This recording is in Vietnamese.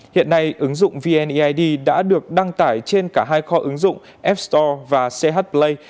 hiện nay ứng dụng vneid đã được đăng tải trên cả hai kho ứng dụng ep store và ch play